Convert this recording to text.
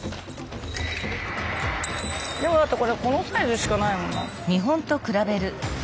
でもだってこれこのサイズしかないもんな。